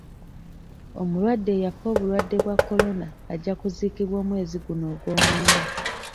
Omulwadde eyafa obulwadde bwa kolona ajja kuziikibwa omwezi guno ogw'omwenda